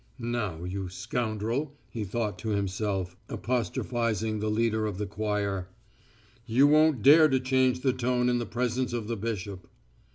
"Now, you scoundrel," he thought to himself, apostrophising the leader of the choir; "you won't dare to change the tone in the presence of the bishop."